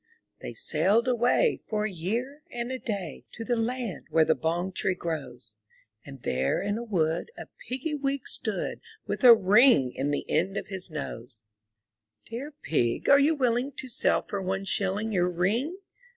'' They sailed away, for a year and a day, To the land where the bong tree grows: And there in a wood a Piggy wig stood, With a ring in the end of his nose. ''Dear Pig, are you willing to sell for one shilling Your ring?"